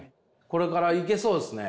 これからいけそうですね。